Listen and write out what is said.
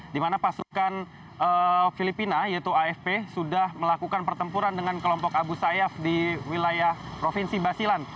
di mana pasukan filipina yaitu afp sudah melakukan pertempuran dengan kelompok abu sayyaf di wilayah provinsi basilan